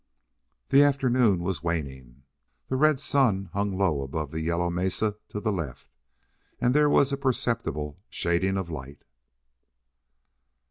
The afternoon was waning. The red sun hung low above the yellow mesa to the left, and there was a perceptible shading of light.